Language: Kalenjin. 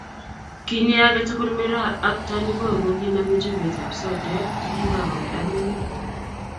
Kinyeei age tugul miraa ak tandiboi kokinomei chupetab sotek che kikakoe agoi wiy